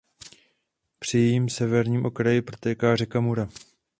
Při jejím severním okraji protéká řeka Mura.